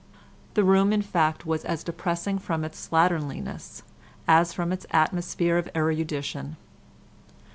The room in fact was as depressing from its slatternliness as from its atmosphere of erudition.